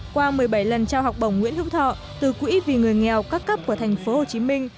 qua một mươi bảy lần trao học bổng nguyễn hữu thọ từ quỹ vì người nghèo các cấp của thành phố hồ chí minh